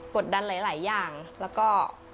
กดดันหลายอย่างแล้วก็